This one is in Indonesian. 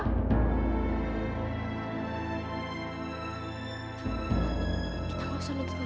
kita gak usah nuntut mereka ya bang